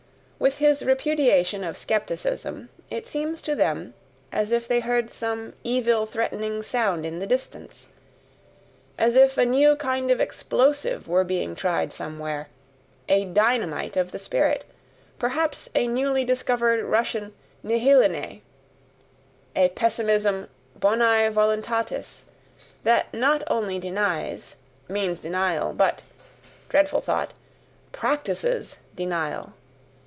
With his repudiation of skepticism, it seems to them as if they heard some evil threatening sound in the distance, as if a new kind of explosive were being tried somewhere, a dynamite of the spirit, perhaps a newly discovered Russian NIHILINE, a pessimism BONAE VOLUNTATIS, that not only denies, means denial, but dreadful thought! PRACTISES denial.